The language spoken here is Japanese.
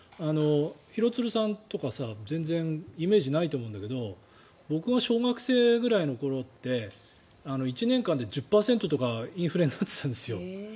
廣津留さんとか全然イメージないと思うんだけど僕が小学生ぐらいの頃って１年間で１０％とかインフレになっていたんですよ。